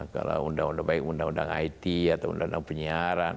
kalau baik undang undang it atau undang undang penyiaran